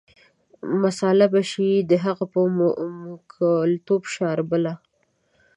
مساله به یې د هغه په موکلتوب شاربله.